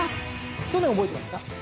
去年覚えてますか？